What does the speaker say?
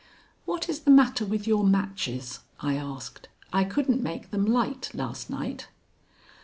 "What is the matter with your matches?" I asked. "I couldn't make them light last night."